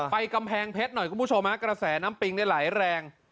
กำแพงเพชรหน่อยคุณผู้ชมฮะกระแสน้ำปิงได้ไหลแรง